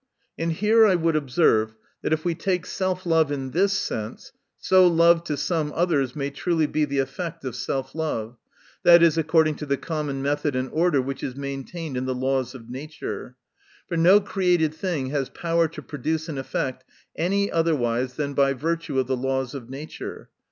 And here I would observe, that if we take self love in this sense, ?o love to some others may truly be the effect of self love ; i. e., according to the common method and order, which is maintained in the laws of nature. For no created thing has power to produce an effect any otherwise than by virtue of the laws of nature.